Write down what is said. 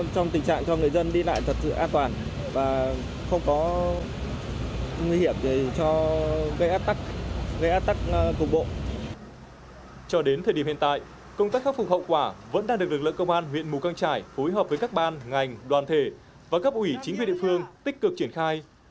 cho đến thời điểm hiện tại công tác khắc phục hậu quả vẫn đang được lực lượng công an huyện mù căng trải phối hợp với các ban ngành đoàn thể và cấp ủy chính quyền địa phương tích cực triển khai